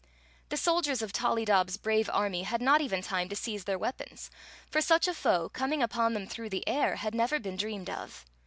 The soldiers of Tollydob s brave army had not even time to seize their weapons ; for such a foe, coming upon them through the air, had never been dreamed of.